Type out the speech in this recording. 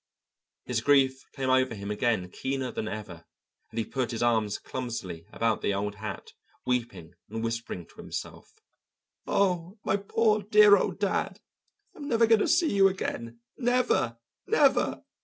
His grief came over him again keener than ever and he put his arms clumsily about the old hat, weeping and whispering to himself: "Oh, my poor, dear old dad I'm never going to see you again, never, never!